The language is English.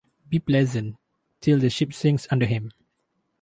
Be pleasant, till the ship sinks under him.